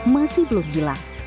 masih belum hilang